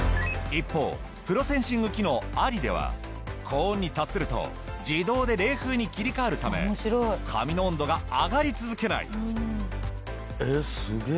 一方プロセンシング機能ありでは高温に達すると自動で冷風に切り替わるため髪の温度が上がり続けない。